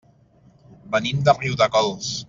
Venim de Riudecols.